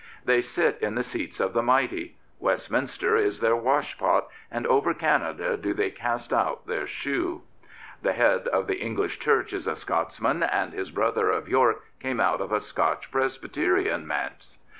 They sit in the seats of the mighty. Westminster is their washpot, and over Canada do they cast out their shoe. The head of the English Church is a Scotsman, and his brother of York came out of a Scotch Presby terian manse.